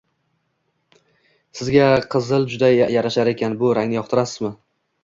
“Sizga qizil juda yarashar ekan. Bu rangni yoqtirasizmi?”